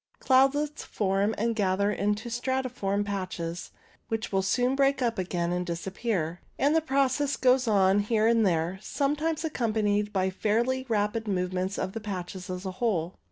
Cloudlets form and gather into stratiform patches, which soon break up again and disappear ; and the process goes on here and there, sometimes K 66 ALTO CLOUDS accompanied by fairly rapid movement of the patches as a whole.